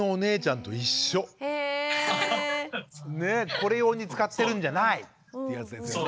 これ用に使ってるんじゃないっていうやつですよね。